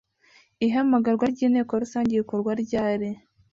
ihamagarwa ry'inteko rusange rikorwa ryari